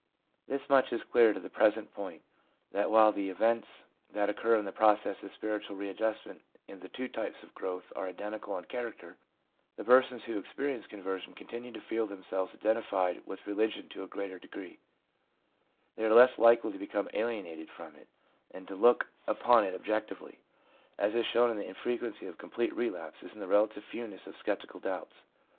This much is clear to the present point, that while the events that occur in the process of spiritual readjust ment in the two types of growth are identical in character, the persons who experience conversion continue to feel themselves identified with religion to a greater degree ; they are less likely to become alienated from it, and to look upon it objectively, as is shown in the infrequency of complete relapses and the relative fewness of sceptical doubts.